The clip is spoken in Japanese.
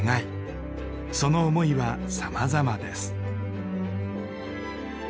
その思いはさまざまです。